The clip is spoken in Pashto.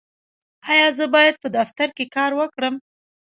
ایا زه باید په دفتر کې کار وکړم؟